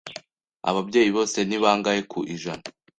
Ababyeyi bo se ni bangahe ku ijana